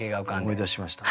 思い出しました。